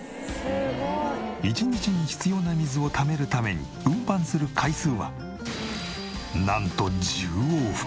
１日に必要な水をためるために運搬する回数はなんと１０往復。